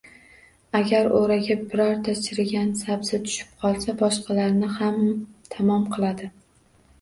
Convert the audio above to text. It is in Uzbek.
Agar oʻraga birorta chirigan sabzi tushib qolsa, boshqalarini ham tamom qiladi.